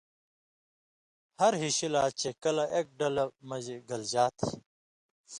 ہر ہیشی لا چے کلہۡ اېک ڈلہ (مژ) گلژا تھی،